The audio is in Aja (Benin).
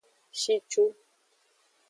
Shicu.